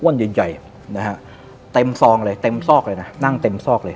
ใหญ่ใหญ่นะฮะเต็มซองเลยเต็มซอกเลยนะนั่งเต็มซอกเลย